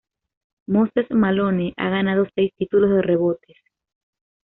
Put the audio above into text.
Moses Malone ha ganado seis títulos de rebotes.